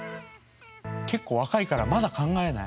結構若いからまだ考えない？